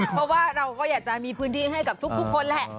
เพราะว่าเราก็อยากจะมีพื้นที่ให้กับทุกคนแหละ